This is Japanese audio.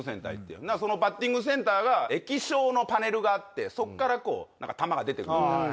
そのバッティングセンターが液晶のパネルがあってそこから球が出て来る。